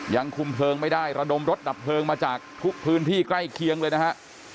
ยังคุมเพลิงไม่ได้ระดมรถดับเพลิงมาจากทุกพื้นที่ใกล้เคียงเลยนะฮะ